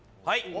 はい。